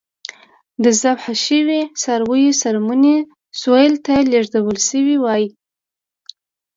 د ذبح شویو څارویو څرمنې سویل ته لېږدول شوې وای.